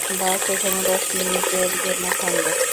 বাস এখানে দশ মিনিটের জন্য থামবে।